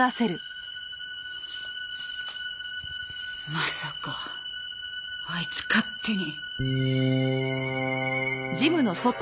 まさかあいつ勝手に。